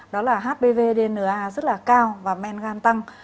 đó là hpvdna rất là cao và men gan tăng